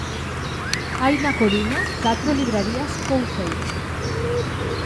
Hai na Coruña catro librarías Couceiro.